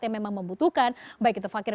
yang memang membutuhkan baik itu vaksin